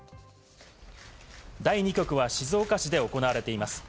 第２局は静岡市で行われています。